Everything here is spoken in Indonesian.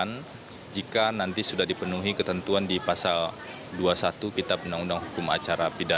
dan jika nanti sudah dipenuhi ketentuan di pasal dua puluh satu kuhp